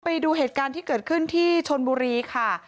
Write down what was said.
ไปดูเหตุการณ์ที่เกิดขึ้นที่ชนบุรีค่ะ